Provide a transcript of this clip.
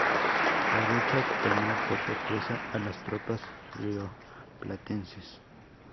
La lucha tomó por sorpresa a las tropas rioplatenses.